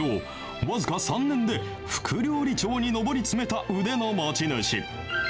僅か３年で副料理長に上り詰めた腕の持ち主。